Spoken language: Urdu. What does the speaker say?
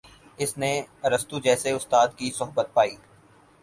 اس نے ارسطو جیسے استاد کی صحبت پائی